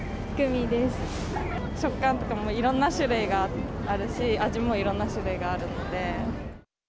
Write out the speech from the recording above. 食感とか、もういろんな種類があるし、味もいろんな種類があるので。